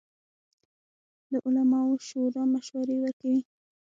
د علماوو شورا مشورې ورکوي